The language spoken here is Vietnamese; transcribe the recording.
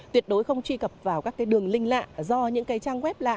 tuyệt đối không truy cập vào các đường link lạ do những trang web lạ